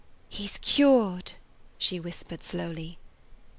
"He 's cured!" she whispered slowly.